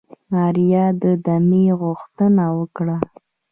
ماريا د دمې غوښتنه وکړه.